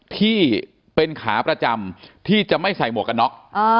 ที่เป็นขาประจำที่จะไม่ใส่หมวกกันน็อก